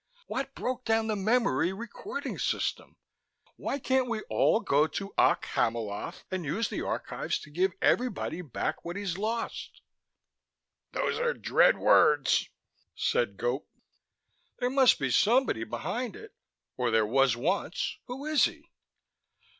What broke down the memory recording system? Why can't we all go to Okk Hamiloth and use the Archives to give everybody back what he's lost " "These are dread words," said Gope. "There must be somebody behind it. Or there was once. Who is he?"